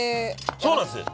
そうなんです！